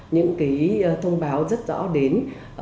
những thông báo rất rõ đến